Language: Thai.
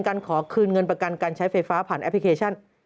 ขอคืนเงินประกันการใช้ไฟฟ้าผ่านแอปพลิเคชัน